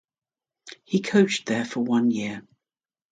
He coached there for one year.